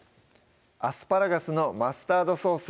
「アスパラガスのマスタードソース」